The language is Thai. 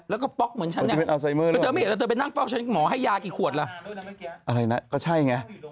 แล้วก็ป๊อกเหมือนฉันเนี่ยแล้วเธอไม่เห็นแล้วเธอไปนั่งเฝ้าฉันหมอให้ยากี่ขวดล่ะอะไรนะก็ใช่ไง